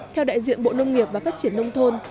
theo đại diện bộ nông nghiệp và phát triển nông thôn